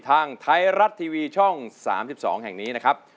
ทางไทยรัฐทีวีช่อง๓๒แห่งนี้นะครับ